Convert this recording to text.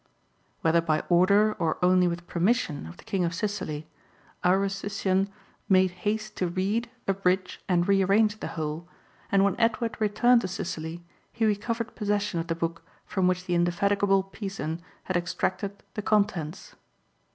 . whether by order, or only with permission of the King of Sicily, our Rustician made haste to read, abridge, and re arrange the whole, and when Edward returned to Sicily he recovered possession of the book from which the indefatigable Pisan had extracted the contents."